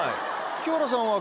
清原さんは。